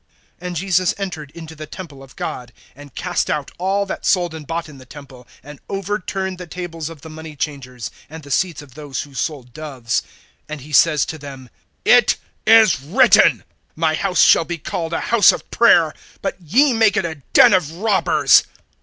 (12)And Jesus entered into the temple of God, and cast out all that sold and bought in the temple, and overturned the tables of the money changers, and the seats of those who sold doves. (13)And he says to them: It is written, My house shall be called a house of prayer; But ye make it a den of robbers.